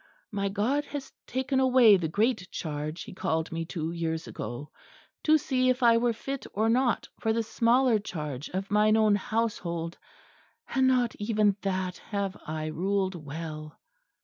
My God has taken away the great charge he called me to years ago, to see if I were fit or not for the smaller charge of mine own household, and not even that have I ruled well."